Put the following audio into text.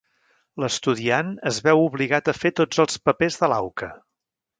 L'estudiant es veu obligat a fer tots els papers de l'auca.